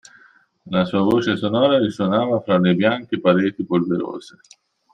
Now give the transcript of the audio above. La sua voce sonora risuonava fra le bianche pareti polverose.